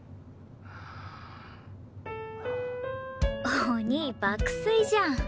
お兄爆睡じゃん。